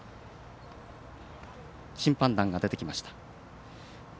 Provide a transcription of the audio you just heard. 審判団が出てきました。